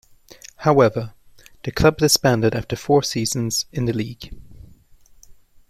However, the club disbanded after four seasons in the league.